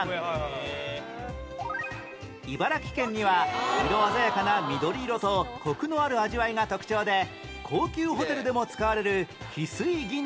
茨城県には色鮮やかな緑色とコクのある味わいが特徴で高級ホテルでも使われる翡翠銀杏などがあるんです